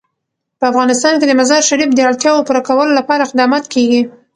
په افغانستان کې د مزارشریف د اړتیاوو پوره کولو لپاره اقدامات کېږي.